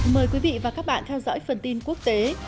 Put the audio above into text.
mời quý vị và các bạn theo dõi phần tin quốc tế